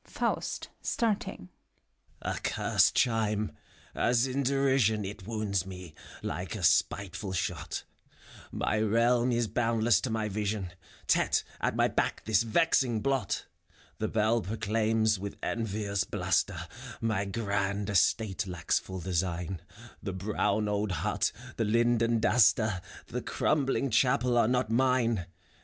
FAUST (starting). Accurst chime! As in derision It wounds me, like a spiteful shot: My realm is boundless to my vision, Tet at my back this vexing blot! The bell proclaims, with envious bluster, My grand estate lacks full design : The brown old hut, the linden duster, The crumbling chapel, are not mine.